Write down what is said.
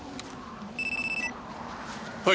はい。